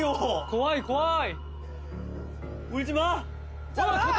怖い怖い！